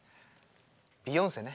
ビヨンセね。